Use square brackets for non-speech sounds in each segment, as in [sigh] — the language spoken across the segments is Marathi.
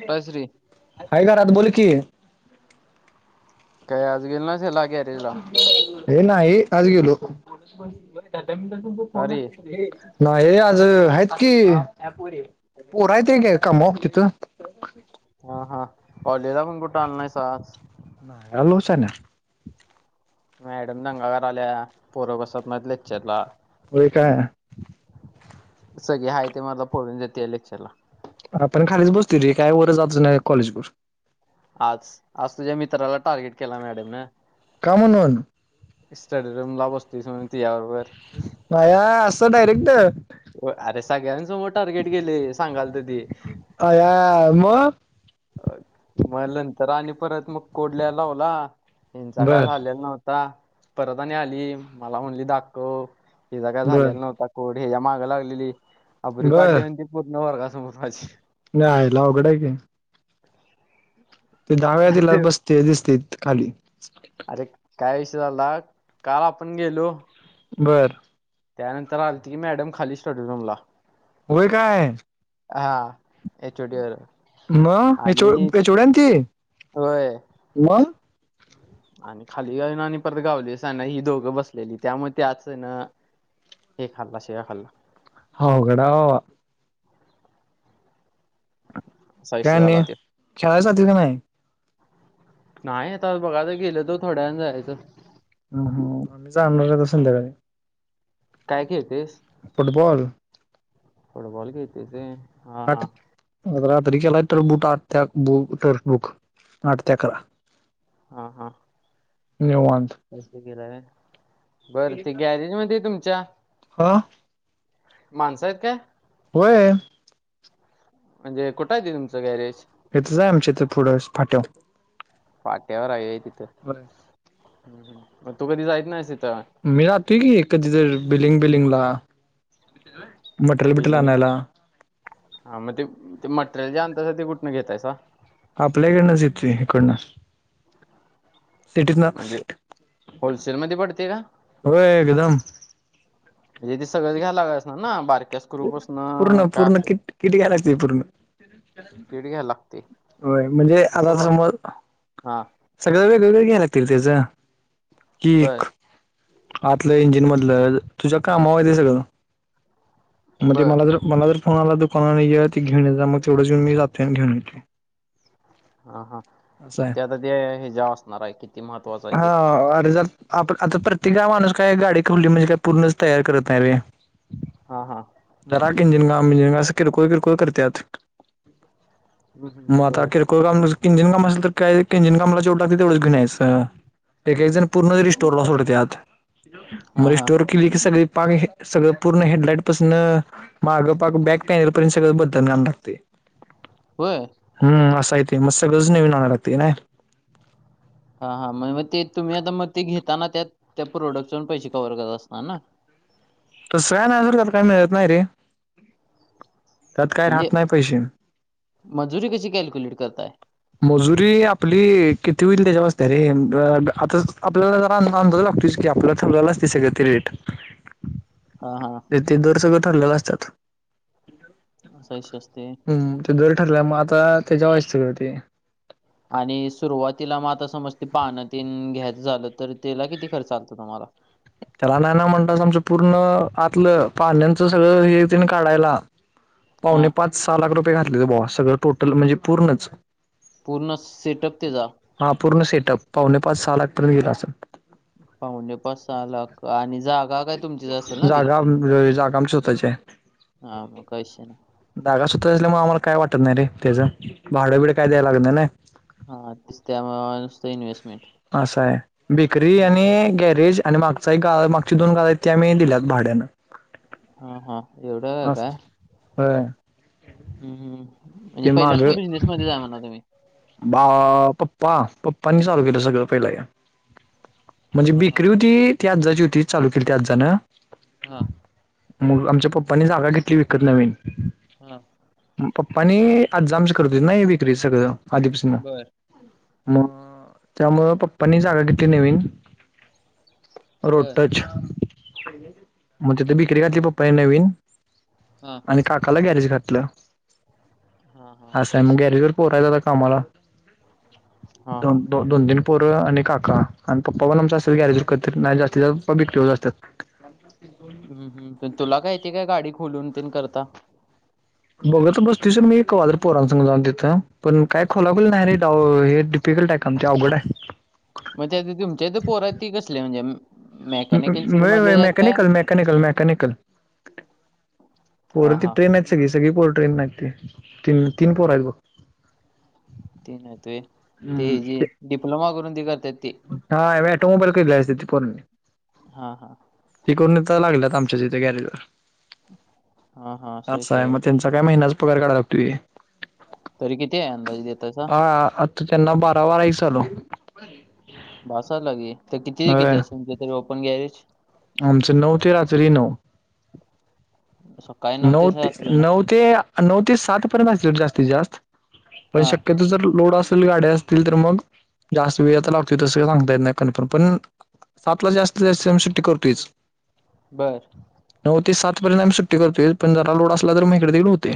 कुठं आहेस रे? हाय घरात बोल की काय आज गेल नाहीस हेला गँरेंजला हे नाही आज गेलो का रे? नाही हे आज आहेत की पोर आहेत कामावर तिथं हा हा कॉलेज ला पण कुठं आण नाही आज आलो नाही शाण्या मॅडम दंगा करालिया पोरं बसत नाही लेक्चर ला हो काय सगळे हा ते मला पळून जाते या लेक्चरला आपण खालीच बसतो रे काय वरं जात नाही कॉलेज वर आज आज तुझ्या मित्राला टार्गेट केला मॅडम न का म्हूणन स्टडीरूम ला बसतोस म्हणं तिचा बरोबर भावा अस डायरेक्ट हो अरे सगळ्यांसमोर टार्गेट केले सांगाल तर ते अ या मग मग नंतर आणि परत मग कोड लिहाय लावला हिंचा काय बर झालेला नव्हता का परत आणी आली मला म्हणली दाखव हिचा काय बर झालेला नव्हता कोड हच्या्या माग लागलेली अब्रू बर काढली हो ती पूर्ण वर्गासमोर माझी नाही आयला अवघडं की [inaudible] ते दहा वेळा आणि तिला ते बसते दिसते खाली अरे काय विषय झाला काल आपण गेलो बरं त्यानंतर आलीती की मॅडम खाली स्टडीरूम ला होय काय एचओडी वर होय एच ओ आणि ति- डी आणी ती होय मग आणि खाली जाऊन आणि परत गावलीसा ना ही दोघं बसलेली त्यामुळे त्याच ना हे खाल्ला शिवा खाल्ला अवघड आहे बाबा असा का विषय आणी झाला त्यो खेळाय जातस काय नाही नाही आता बघाच गेलो तर थोड्या वेळाने जायचं जाणार आहे बघ संध्याकाळी काय खेळतेस फुटबॉल फुटबॉल खेळतेस होय आठ रात्री केलातर बुट आठ ते आठ बुक टर्फबुक आठ ते अकरा हा हा निवांत असं केलाय होय बरं ते गॅरेज मध्ये तुमच्या हा माणसं आहेत काय होय म्हणजे कुठं आहेे ते तुमचं गॅरेज हीतचाय आमच्या इथ पुढंच फाट्यावर पाट्यावर हाय होय तिथं बरं मग तू कधी जायच नाहीस तीथं मी जातोय की कधी तर बिलिंग बिलिंगला मटेरियल बिटेरियल बिल्लिंग ला आणायला हा मग ते ते मटेरियल जे अणताय ते कुठून घेतायसा आपल्याकडनंच येतोय इकडनं सिटीत न म्हणजे होलसेल मध्ये पडते का होय विनम म्हजे ते सगळंच घ्यायला लागत असन ना बारक्या स्क्रू पसन पूर्ण का पूर्ण अस किट किट घ्यायला लागते पूर्ण किट घ्याय लागतेय होय म्हणजे तस आता ब समज हा सगळं वेगवेेगळे घ या्या लागतील त्याचं बर कीक आतलं इंजिन मधलं तुझ्या कामावर हाय ते सगळं मग ते बर मला जर मला जर फोन आला दुकानाने त घेऊन ये जा मग तेवढं येऊन मी जातोय आणि घेऊन येतोय हा हा असं आहे. ते आता ते ह्याच्या असणार आहे किती महत्त्वाचं आहे ते [unintelligible] आप आता प्रत्येक गाव माणूस काय गाडी खोलली म्हणजे काय पूर्णच तयार करत नाही रे हा हा जरा किंजिनगा मिंजिगा अस किरकोळ किरकोळ कर त्यात हम्म म हम्म अता बर किरकोळ को काम किंजिन काम असल तर काय किंजिन कामला जेवढ लागतय तेवढंच घेऊन यायच एक एक जण पूर्णच रीस्टोरला सोडत्यात म हा हा रिस्टोर क्ली सग पा सगळं पूर्ण हेडलाइट तसन मागं पाक बॅक पॅनल पर्यंत सगळं बदल काम लागतेय [inaudible] हम् असाय ते म सगळच नविन अणाय लागतेय नाही हा हा म मग ते तुम्ही आता मग ते घेताना त्या त्या प्रोडक्टचा पण पैसे कव्हवर करत असणार ना तस काय नाही बर त्यात मिळत नाही रे त्यात काय म्हणजे राहत नाय पैशे मजुरी कशी कॅल्क्युलेट करताय मजुरी आपली किती होईल त्याच्या वर असत्या रे आता आपल्याला ज अ अंदाज लागतोयच की की आपलं [unintelligible] दिसल ते रेट हा हा ते दर सगं ठरलेलं असतात असा विषय असतोय होय ह ते दर ठरल्या मग आता त्याच्या वय सगळ तो आणि सुरुवातीला मग आता समज ते पाण तेन घ्यायचं झालं तर त्याला किती खर्च आलता तुम्हाला त्याला नाही ना म्हणत आमचं पूर्ण आतलं पाण्याचं सगळं हे तेन काढायला पावणे हा पाच सहा लाख रुपये घातले बवा सगळं टोटल म्हणजे पूर्णच पूर्ण सेटअप ते जा हा पूर्ण सेटअप पावणे पाच सा लाखतपर्यंत गेला असल पाहुणे पाच सहा लाख आणि जाग जागाम जागाम स्वतः ची हाय हा म क शी जागा स्वताची असल्यामुळे आम्हाला काय वाटत नाही रे त्याचं भाडं बिड काय द्याय लागत नाही नाही हा तेच त्यामुळे नुसत इन्व्हेस्टमेंट असा आहे बेकरी आणि गॅरेज आणि मागचा एक गाळा मागची दोन गाळ आहेत ती आम्ही दिल्यात भाड्यान हम हम एवढं आहे अस काय होय हम्म म्हणजे ते माग पहिल्याच ना बिझनेसमध्येच हाय म्हणा तुम्ही बा पप्पा पप्पानी चालू केलं सगळं पहिलं या. म्हणजे हा हा बेकरी होती, ति अज्जाची होती चालू केली होती आज्जाने हा. मग आमच्या पप्पानी जागा घेतली विकत नवीन हा. मग पप्पाने आज [unintelligible] आमच्याकड नहीं विक्री सगळं आधीपासन बर मग त्यामुळं पप्पांनी जागा घेतली नवीन. रोड बर टच, म्हणजे तिथ बेकरी हा घातली हा पप्पानि नवीन हा आणि काकाला गॅरेज घातलं, हा हा असं आहे मग विषय गॅरेज वर पोरयत कामाला हा हा दोन दोन दोन तीन पोरं आणि काका आन पप्पा पण आमचे असतात गॅरेजवर कधीतरी नाही तर जास्तित जास्त पप्पा बेकरीवर असतात. ह. हम् हम् तुला काहि ते काय गाडी खोलून ते करता बघत बसतुस मी कवादर पोरांसंग जाऊन तीथं पण काय खोला बिल नाही रे फिटर काम तर आवघड आहे. मग त्या तुमच्या इथ पोरायत ती कसले? म्हणजे म मेकॅनिकल फील्ड व्हय व्हय मधले आहेत काय मॅकॅनिकल, मॅकॅनिकल, मॅकॅनिकल पोर हा ती हा ट्रेन आहेत, सगळी सगळी पोर ट्रेन आहेत ती, तीन पोर आहेत बघ. ते नाहीत ते जे डिप्लोमा करून ते निघत्यात ते काय अटोम मोबाईल करले असल ती पर हा हा. तिकडनच यायला लागल्यात आमच्या इथे गॅरजवर, हा हा [unintelligible] असं आहे विषय मग त्यांच तर या महिन्याच पगार काढाया लागतोय. तरी किती आहे अंदाज देतायसा? हा आताच्याना बारा बारा विसरलो. बर [inaudible] बसायला लागेल तर किती ते किती असेल ते तरी ओपन गॅरेज? आमचं नऊ ते रात्री नऊ. सक् [unintelligible] नऊ ते नऊ ते नऊ ते सात पर्यंत असल जास्तीत जास्त पण हा शक्यतो जर लोड असेल गाड्याअस तील तर मग, जास्त वेळ लागतो तिथं सांगता येत नाही कन्फर्म पण सातला जास्त जास्त आम्ही सुट्टी करतोयच. बरं. नऊ ते सात पर्यंत आम्ही सुट्टी करतोय पण जरा लोड असला तर मग इकडे तिकडे होतय.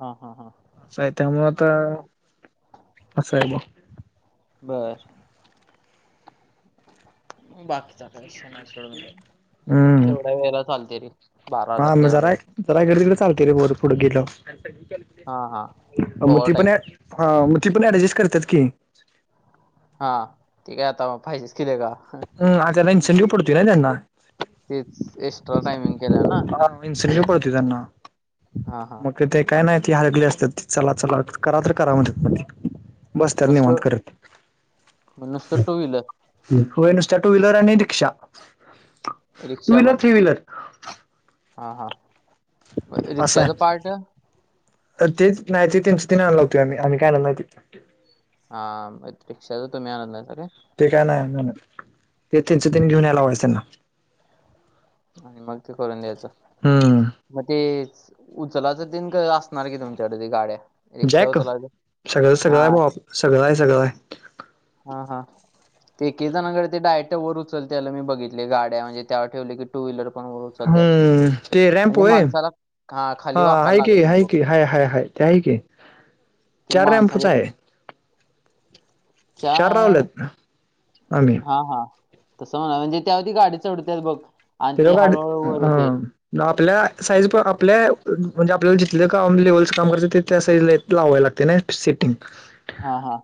हा हा हा. असय त्यामुळं तर असय मग बर. बाकीचा काहीश [unintelligible] नाही सोडून हम्म तेवढ्या वेला चालत तरी हा मग जरा जरा [unintelligible] रायगडला चालते रे उडत उडत हा हा गेल्यावर मग ओव्हर ती टाइम पण ए, मग ती पण ऍडजस्ट करत्यात की. हा. ती काय आता फाईलच केलिय का? हम आ त्याला [unintelligible] ंजी पडतोय ना त्यांना. तेच एक्स्ट्रा टाइमिंग हा मीन्स न्यू कळते त्यांना, हा हा मग ते काय नाही ती हरगली असतात, चला चला करा तर करा म्हण बसत्यात निवांत नुसतं करत. मग नुसतं टू व्हीलर व्हय नुसत्या टू व्हीलर आणि रिक्षा, टू रिक्षा व्हीलर, पण थ्री व्हीलर हा हा. असं रिक्षाचं आहे पार्ट? तर तेच नाही ती स्टीन लावुताया आम्ही, आम्ही काय आणणार नाही. हा रिक्षाच तुम्ही आणत नाही स काय ते काय नाही ते तीनच तीन हम्म, घेऊन यायला हम्म. वयचंना आणि मग ते करून द्यायचं हम्म मग ते उचलाच दिन असणार की तुमच्याकडे ते गाड्या रिक्षा जॅक उचलायचं सगळं सगळं हा आहे सगळं आहे सगळं आहे हा हा ते एक जणाकडे ते डायक्ट वर उचलतेला मी बघितले गाड्या म्हणजे त्याववर ठेवले की टू व्हीलर पण वर उचलतात हम्म ते म्हणजे रॅमपो आहे माणसाला खाली हा वाकायला आहेा कि लागत हा नाही बघ कि हाय हाय हाय त्या आहे की ते चार रॅम्पूच माणसाच्या आहे चार रावलेत ना आ्ही हा हा तसं म्हणा म्हणजे त्यावधी गाडी चढते बघ आणि ते ती लोक अड हळूहळू वर येते हा आपल्या साईज पण आपल्या म्हणजे आपल्याला जिथलं काम लेवलचं काम करतं तिथल्या साईज ला य लाववाय लागते ना सेटिंग हा हा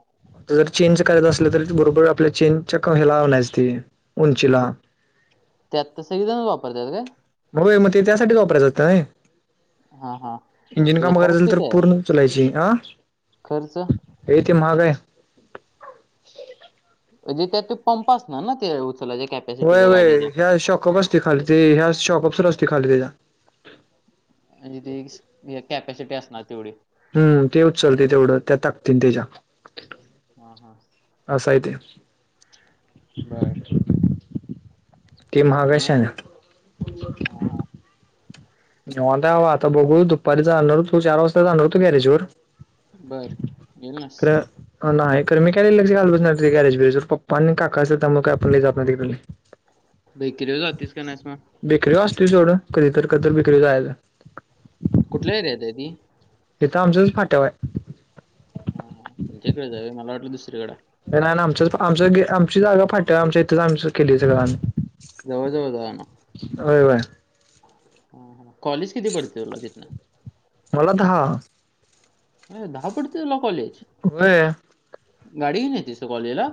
जर चेनच करायचं असलं तरी बरोबर आपल्या चेनच्या क हला ला नाहीचते उंचीला त्यात त सग ज वापरतात काय मगय मग ते त्यासाठीच वापरायचं असगतं नाही हा हा इंजिन त्याचा काम खर्च करायचल तर किती आहे पूर्ण चलायची अह खर्च य ते महागय ण जे त्या ते पंप अस ना ना ते उचलायच्या होय कॅपॅसिटीच्या वय गाडीच्या ह्या शॉकअप असते खाली ते ह्या शॉपअप सुर असते खाली त्याच्या म्हणजे ती केॅपेसिटी असना तेवढ हम्म ते उचलते तेवढं त्या ताकतील त्याच्या हा हा ह सायते बर तेी आणि काय महागाशान हा हा निवांताय आता बघू दुपारी जाणार तू चार वाजता जाणार तू गॅरेज वर बर येेल नास खरं नाही कर मी काय लक्ष घालतच नाय गॅरेज बिरेजवर पप्पा आणि काका असत्यात त्यामुळं काय [unintelligible] बेकरी जातीस का नाइस मग बेकरीला असतोय सोडं कधीतर कधीतरी बेकरीला जायचं कुठल्या एरियात हाय ती हितं आमच्याच फाट्यावय हा तुमच्याकडे जावे मला वाटलं दुसरीकडे नाही आमचं आमच आमची जागा फाट्याव आमच्या इथेच आमच केली सगळ आम्ही [unintelligible] होय वय ह हा कॉलेज किती पडते तुला तिथनं मलतः अ दहा पडते [unintelligible] होय गाडीन येतयस तू कॉलेजला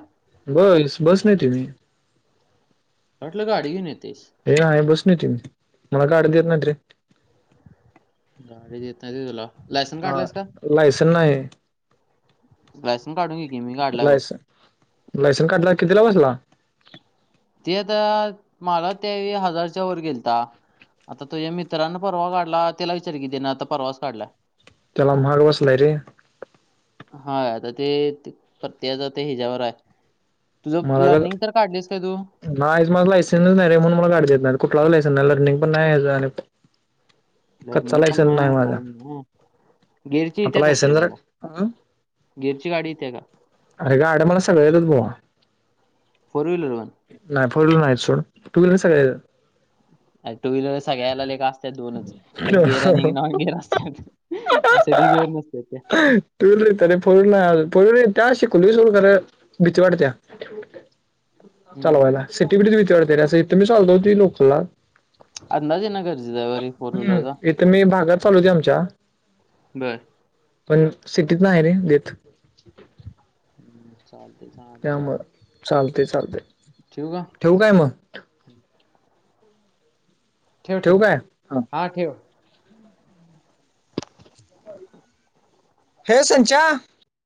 बस बसणं येतोय मी वाटलं गाडी घ्युन येतयस हे नाय बस न येतोय मी मला गाडी देत नाहित रे गाडी देत नाहित व्हय तुला लायसन हा काढलायस का लायसन नाही लायसन काढून घे की मी काढलय बग लायसन लायसन काढला कितीला बसला? ते आता मला त्या येळी हजारच्या वर गेलता आता तुझ्या मित्रांना परवा काढला त्याला विचार की तेन आता परवाच काढलाय. तेला महाग बसलाय रे! हा आता ते ते प्रत्येकाचं ते हेज्यावरय तुझं लर्निंग तर काढलयस काय तू? नाहीच माझ लायसन च नाही रे म्हणून मला गाडी देत नाही कुठलाच लायसेन नाही लर्निंग पण नाय आणि [unintelligible] कच्चा लर्निंग पण लायसन नाही माझा [unintelligible] गियर ची आता येत्या काय लायसन तरी जरा तुला गियर ची गाडी येत्या का? अरे गाड्या मला सगळ्या येत्यात् भावा. फोर व्हिलर पण? नाही फोर व्हिलर नाही सोड टू व्हिलर सगळ्या येत्यात्. अ टू व्हीलर सगळ्याला लेका असत्यात दोनच एक गिअर आणि येतात एक नॉन गिअर असत्यात. अस ढीगभर नसत्यात त्या टू व्हिलर येत्या रे फोर व्हिलर नाय अजून फोर व्हिलर येत्या शिकलोय सोड खरं भीती वाटत्या हम्म, हम्म. चालवायला सिटी [unintelligible] लोकलला. अंदाज येणं गरजेचं आहे बरे फोर हम्म व्हीलरचा. इथे मी भागात चालवतोय आमच्या. बरं! पण सिटीत नाही रे देत [inaudible] हम्म चालतंय. चालतंय. त्यामुळ चालतंय चालतंय ठेवु का? ठेवू काय मग? ठेव ठेव ठेवू काय हा ठेव हे संचा